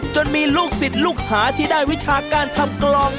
จนมีลูกศิษย์ลูกหาที่ได้วิชาการทำกลอง